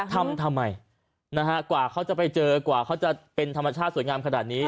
ทำทำไมนะฮะกว่าเขาจะไปเจอกว่าเขาจะเป็นธรรมชาติสวยงามขนาดนี้